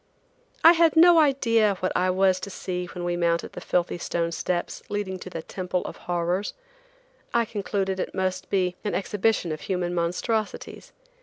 I had no idea what I was to see when we mounted the filthy stone steps leading to the Temple of Horrors. I concluded it most be an exhibition of human monstrosities.